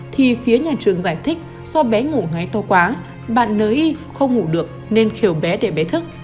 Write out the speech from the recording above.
thì phía nhà trường giải thích do bé ngủ ngay to quá bạn nới y không ngủ được nên khiều bé để bé thức